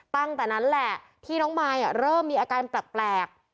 ตั้งแต่นั้นแหละที่น้องมายเริ่มมีอาการแปลก